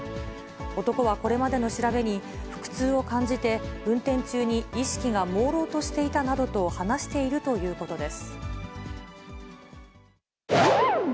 男はこれまでの調べに、腹痛を感じて運転中に意識がもうろうとしていたなどと話しているということです。